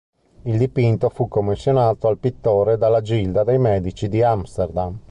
Il dipinto fu commissionato al pittore dalla Gilda dei Medici di Amsterdam.